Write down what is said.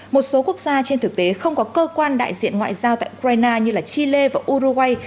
một số quốc gia trên thực tế không có cơ quan đại diện ngoại giao tại ukraine như chile và uruguay